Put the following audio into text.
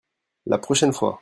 La prochaine fois.